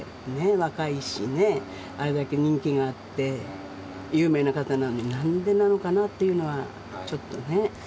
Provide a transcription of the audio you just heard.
若いしね、あれだけ人気があって、有名な方なのに、なんでなのかなっていうのは、ちょっとね。